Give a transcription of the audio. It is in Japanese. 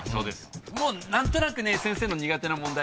もう何となく先生の苦手な問題